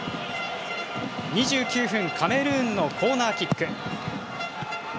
２９分カメルーンのコーナーキック。